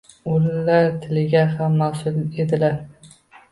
Ular tiliga ham mas’ul edilar.